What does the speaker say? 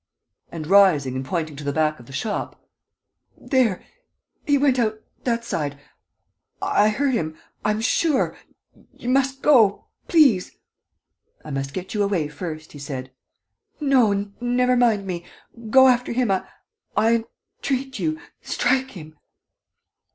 And, rising and pointing to the back of the shop: "There ... he went out that side ... I heard him. ... I am sure. ... You must go ... please!" "I must get you away first," he said. "No, never mind me ... go after him. ... I entreat you. ... Strike him!"